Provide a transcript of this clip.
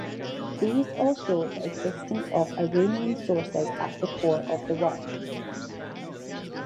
These all show "the existence of Iranian sources at the core of the work".